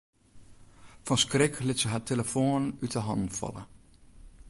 Fan skrik lit se har de telefoan út 'e hannen falle.